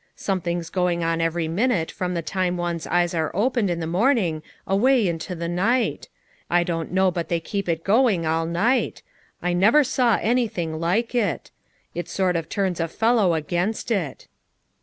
Something so mg on every minute from the time one's eyes are opened in the morning away into the night; I don't know but they keep it going all night; I never saw anything like it! It sort of turns a fellow against it.